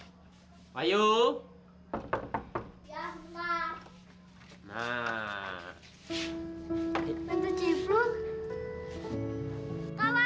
kak wayu kak bima tante cipuluk pulang